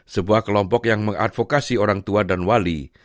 sebuah kelompok yang mengadvokasi orang tua dan wali